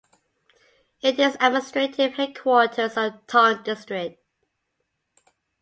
It is the administrative headquarters of Tonk District.